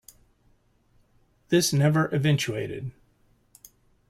This never eventuated.